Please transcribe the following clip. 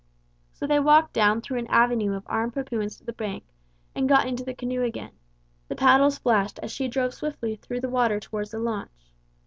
So they walked down through an avenue of armed Papuans to the bank, and got into the canoe again: the paddles flashed as she drove swiftly through the water toward the launch.